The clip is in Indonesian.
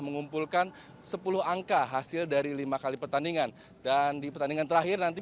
mengumpulkan sepuluh angka hasil dari lima kali pertandingan dan di pertandingan terakhir nanti